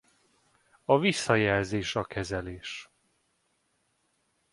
A visszajelzés a kezelés.